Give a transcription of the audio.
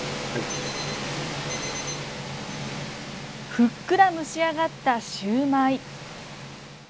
ふっくら蒸し上がったシューマイ。